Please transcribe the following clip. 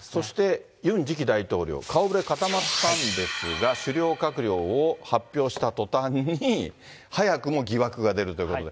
そして、ユン次期大統領、顔ぶれ固まったんですが、主要閣僚を発表したとたんに、早くも疑惑が出るということで。